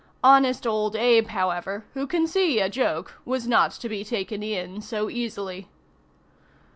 Honest Old Abe however, who can see a joke, was not to be taken in so easily.